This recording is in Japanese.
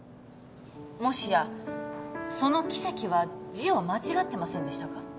もしやその「キセキ」は字を間違ってませんでしたか？